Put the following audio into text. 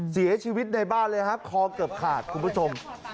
เสียชีวิตในบ้านเลยฮะคอเกือบขาดคุณผู้ชม